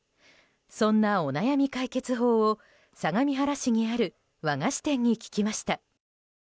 そんなお悩み解決法を相模原市にある和菓子店に聞きました。